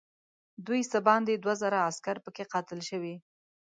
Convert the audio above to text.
دوی څه باندې دوه زره عسکر پکې قتل شوي.